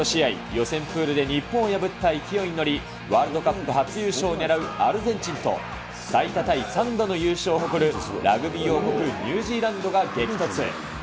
予選プールで日本を破った勢いに乗り、ワールドカップ初優勝を狙うアルゼンチンと、最多タイ３度の優勝を誇るラグビー王国、ニュージーランドが激突。